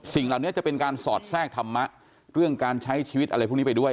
สิ่งเหล่านี้จะเป็นการสอดแทรกธรรมะเรื่องการใช้ชีวิตอะไรพวกนี้ไปด้วย